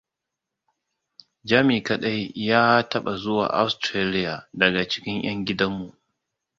Jami kadai ya taba zuwa Austarlia daga cikin yan gidan mu.